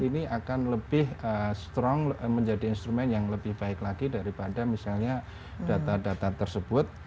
ini akan lebih strong menjadi instrumen yang lebih baik lagi daripada misalnya data data tersebut